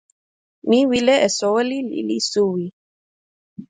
mi wile e soweli lili suwi.